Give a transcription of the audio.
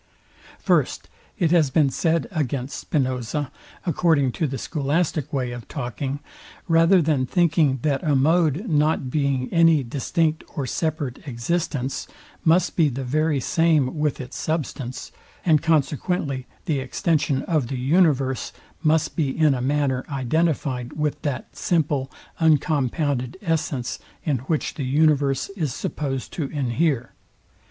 First, It has been said against Spinoza, according to the scholastic way of talking, rather than thinking, that a mode, not being any distinct or separate existence, must be the very same with its substance, and consequently the extension of the universe, must be in a manner identifyed with that, simple, uncompounded essence, in which the universe is supposed to inhere.